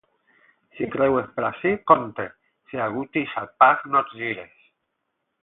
Si creues per ací, compte! Si algú t'ix al pas, no et gires.